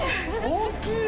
大きい！